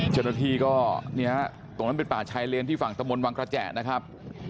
เจ้าหน้าที่ก็เนี่ยตรงนั้นเป็นป่าชายเลนที่ฝั่งตะมนต์วังกระแจนะครับ